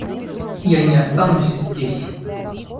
Я не останусь здесь.